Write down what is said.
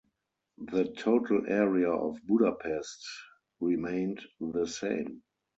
The total area of Budapest remained the same.